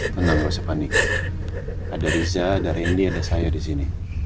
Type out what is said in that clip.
tenang gak usah panik ada riza ada randy ada saya disini